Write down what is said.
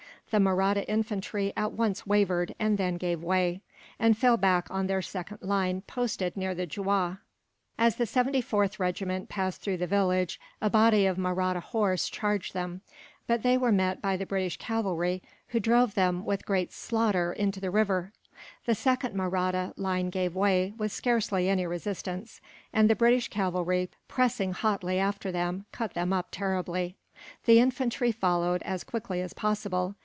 The Mahratta infantry at once wavered, and then gave way; and fell back on their second line, posted near the Juah. As the 74th Regiment passed through the village, a body of Mahratta horse charged them; but they were met by the British cavalry, who drove them, with great slaughter, into the river. The second Mahratta line gave way, with scarcely any resistance; and the British cavalry, pressing hotly after them, cut them up terribly. The infantry followed, as quickly as possible.